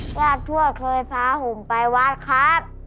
ญาติทั่วเคยพาผมไปวัดครับ